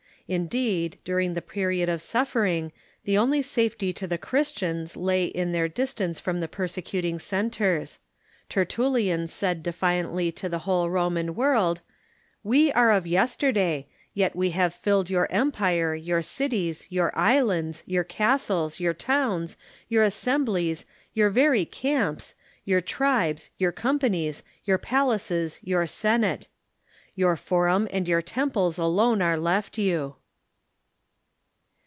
Indeed, during the pe riod of suffering the only safety to the Christians lay in their distance from the persecuting centres. Tertullian said defiant ly to the whole Roman world :" We are of yesterday, yet we have filled your empire, your cities, your islands, your castles, your tow^ns, your assemblies, your very camps, your tribes, your companies, your palaces, your senate. Your forum and your temples alone are left you